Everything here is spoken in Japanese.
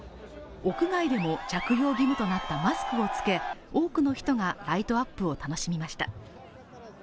屋外でも着用義務となったマスクをつけ、多くの人がライトアップを楽しみました。